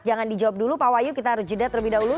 jangan dijawab dulu pak wahyu kita harus jeda terlebih dahulu